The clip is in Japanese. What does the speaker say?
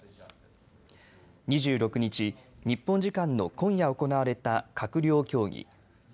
２６日日本時間の今夜行われた閣僚協議。